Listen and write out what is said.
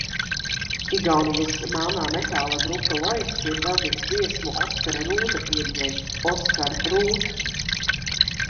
"Igaunijas melnā metāla grupa "Loits" ir veltījusi dziesmu Oskara Rūta piemiņai: "Oskar Ruut"."